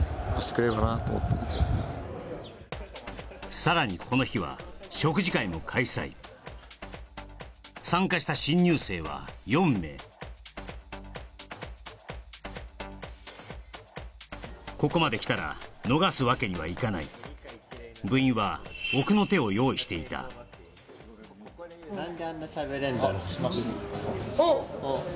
さらにこの日は食事会も開催参加した新入生は４名ここまできたら逃すわけにはいかない部員は奥の手を用意していたあっ！